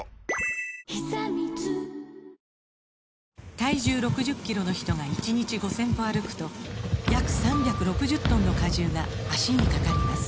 体重６０キロの人が１日５０００歩歩くと約３６０トンの荷重が脚にかかります